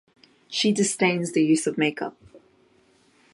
She disdains the use of makeup.